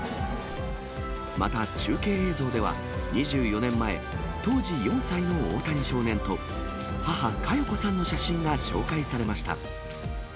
また中継映像では、２４年前、当時４歳の大谷少年と、母、加代子さんの写真が紹介されました。